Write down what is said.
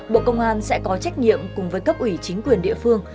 bộ công an sẽ có trách nhiệm cùng với cấp ủy chính quyền địa phương